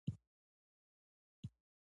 د وسلو له قاچبرانو سخت لګیا دي.